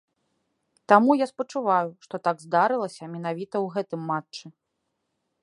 Таму я спачуваю, што так здарылася менавіта ў гэтым матчы.